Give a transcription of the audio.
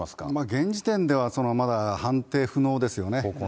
現時点では、まだ判定不能ですよね。